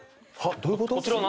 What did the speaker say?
どういうこと？